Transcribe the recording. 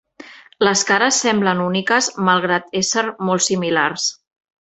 Les cares semblen úniques malgrat ésser molt similars.